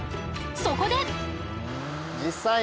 そこで！